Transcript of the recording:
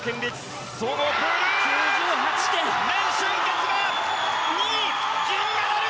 レン・シュンケツが２位銀メダル！